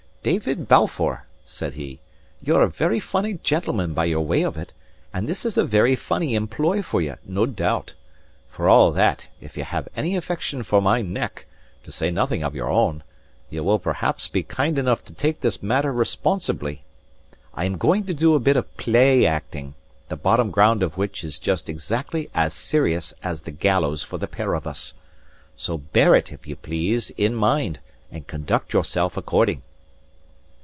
"David Balfour," said he, "ye're a very funny gentleman by your way of it, and this is a very funny employ for ye, no doubt. For all that, if ye have any affection for my neck (to say nothing of your own) ye will perhaps be kind enough to take this matter responsibly. I am going to do a bit of play acting, the bottom ground of which is just exactly as serious as the gallows for the pair of us. So bear it, if ye please, in mind, and conduct yourself according."